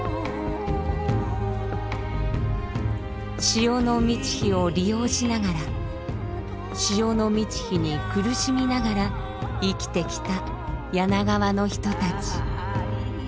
潮の満ち干を利用しながら潮の満ち干に苦しみながら生きてきた柳川の人たち。